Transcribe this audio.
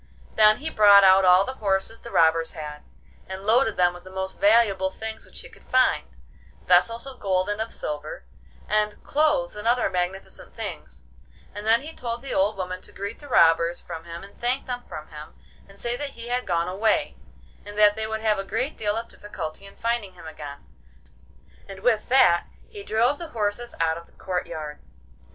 Then he brought out all the horses the robbers had, and loaded them with the most valuable things which he could find—vessels of gold and of silver, and clothes and other magnificent things—and then he told the old woman to greet the robbers from him and thank them from him, and say that he had gone away, and that they would have a great deal of difficulty in finding him again, and with that he drove the horses out of the courtyard.